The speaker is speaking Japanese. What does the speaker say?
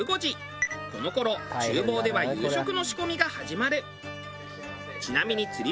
この頃厨房では夕食の仕込みが始まる。